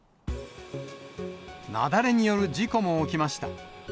雪崩による事故も起きました。